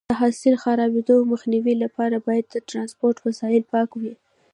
د حاصل د خرابېدو مخنیوي لپاره باید د ټرانسپورټ وسایط پاک وي.